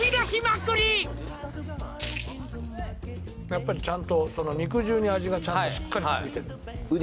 やっぱりちゃんと肉汁に味がちゃんとしっかりついてる腕